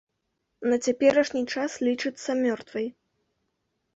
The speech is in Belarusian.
На цяперашні час лічыцца мёртвай.